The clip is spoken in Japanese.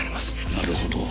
なるほど。